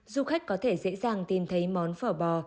du khách có thể dễ dàng tìm thấy món phở bò